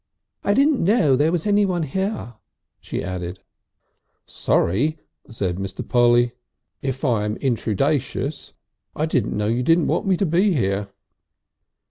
"I didn't know there was anyone here," she added. "Sorry," said Mr. Polly, "if I am intrudaceous. I didn't know you didn't want me to be here."